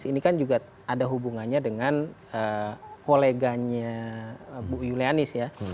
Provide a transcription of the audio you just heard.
ini kan juga ada hubungannya dengan koleganya bu yulianis ya